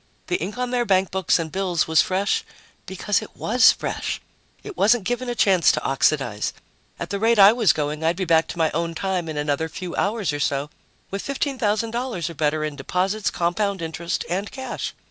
The ink on their bankbooks and bills was fresh because it was fresh; it wasn't given a chance to oxidize at the rate I was going, I'd be back to my own time in another few hours or so, with $15,000 or better in deposits, compound interest and cash.